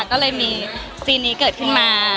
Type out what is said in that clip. ก็เลยมีซีนนี้เกิดขึ้นมา